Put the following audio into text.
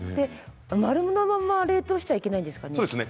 丸のまま冷凍してはいけないんですかね。